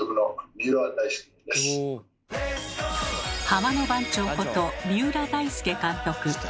「ハマの番長」こと三浦大輔監督。